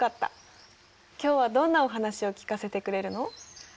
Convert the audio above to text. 今日はどんなお話を聞かせてくれるの？